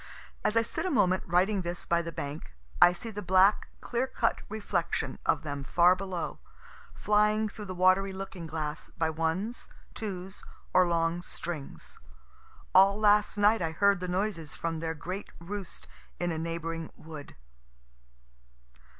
As I sit a moment writing this by the bank, I see the black, clear cut reflection of them far below, flying through the watery looking glass, by ones, twos, or long strings. All last night I heard the noises from their great roost in a neighboring wood.